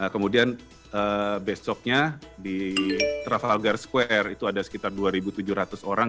kemudian besoknya di travelgar square itu ada sekitar dua tujuh ratus orang